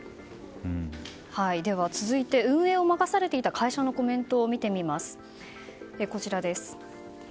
では、運営を任されていた会社のコメントを見てみます。